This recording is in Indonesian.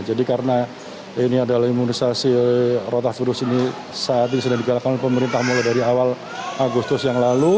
jadi karena ini adalah imunisasi rotavirus ini saat ini sudah dikatakan pemerintah mulai dari awal agustus yang lalu